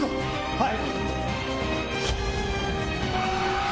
はい。